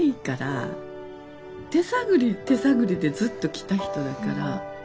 手探り手探りでずっときた人だから。